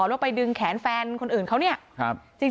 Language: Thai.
แล้วไปดึงแขนแฟนคนอื่นสนอง